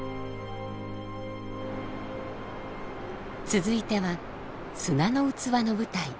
続いては「砂の器」の舞台